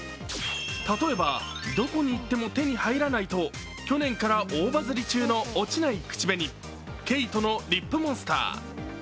例えば、どこに行っても手に入らないと去年から大バズり中の落ちない口紅、ＫＡＴＥのリップモンスター。